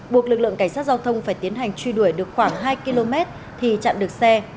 buộc lực lượng cảnh sát giao thông phải tiến hành truy đuổi được khoảng hai km thì chặn được xe